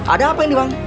ada apa ini bang